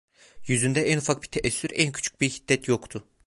Yüzünde en ufak bir teessür, en küçük bir hiddet yoktu.